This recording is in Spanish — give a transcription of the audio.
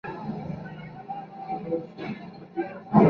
Esto causa enfisema pulmonar y lleva a la cirrosis hepática en casos severos.